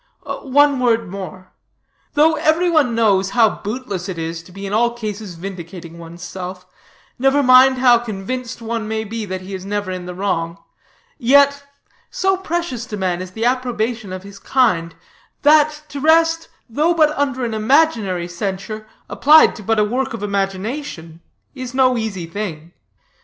One word more. Though every one knows how bootless it is to be in all cases vindicating one's self, never mind how convinced one may be that he is never in the wrong; yet, so precious to man is the approbation of his kind, that to rest, though but under an imaginary censure applied to but a work of imagination, is no easy thing.